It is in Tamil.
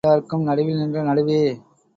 நல்லார்க்கும் பொல்லார்க்கும் நடுவில்நின்ற நடுவே!